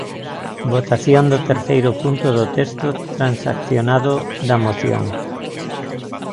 Votación do terceiro punto do texto transaccionado da Moción.